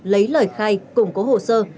lấy lời khai củng cố hồ sơ